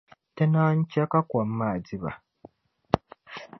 Ti naan chɛ ka kɔm maa di ba.